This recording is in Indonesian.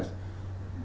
datang duduk sini